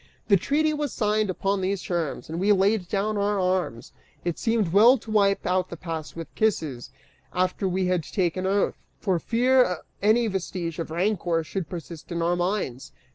The treaty was signed upon these terms, and we laid down our arms. It seemed well to wipe out the past with kisses, after we had taken oath, for fear any vestige of rancor should persist in our minds.